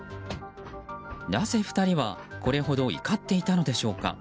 なぜ２人はこれほど怒っていたのでしょうか。